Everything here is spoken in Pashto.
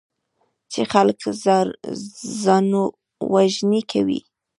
چې خلک ځانوژنې کوي.